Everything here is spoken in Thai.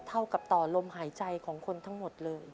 เท่ากับต่อลมหายใจของคนทั้งหมดเลย